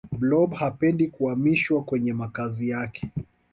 blob hapendi kuamishwa kwenye makazi yake